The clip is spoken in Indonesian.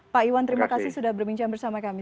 pak iwan terima kasih sudah berbincang bersama kami